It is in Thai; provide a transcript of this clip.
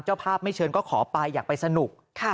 เจ้าภาพไม่เชิญก็ขอไปอยากไปสนุก